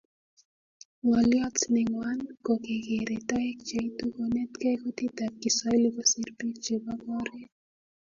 Ngolyot nengwan ko kekere toek cheitu konetkei kutitab kiswahili kosir bik chebo koret